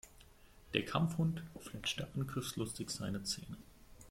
Der Kampfhund fletschte angriffslustig seine Zähne.